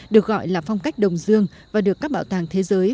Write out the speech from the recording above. được gọi là phong cách đồng dương và được các bảo tàng thế giới